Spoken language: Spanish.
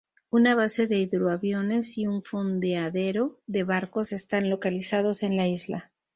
Una base de hidroaviones y un fondeadero de barcos están localizados en la isla.